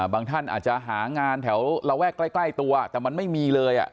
ท่านอาจจะหางานแถวระแวกใกล้ตัวแต่มันไม่มีเลย